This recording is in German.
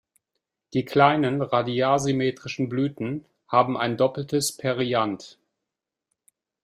Die kleinen, radiärsymmetrischen Blüten haben ein doppeltes Perianth.